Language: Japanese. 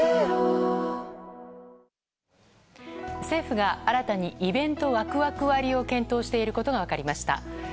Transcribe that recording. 政府が新たにイベントワクワク割を検討していることが分かりました。